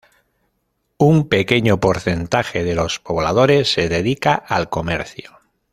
Un pequeño porcentaje de los pobladores se dedica al comercio.